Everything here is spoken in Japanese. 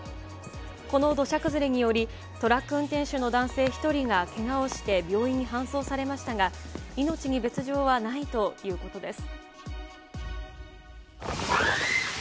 この土砂崩れにより、トラック運転手の男性１人がけがをして病院に搬送されましたが、命に別状はないということです。